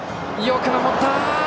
よく守った！